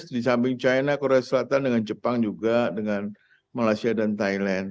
di samping china korea selatan dengan jepang juga dengan malaysia dan thailand